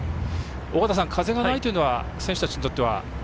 尾方さん、風がないというのは選手たちにとっては？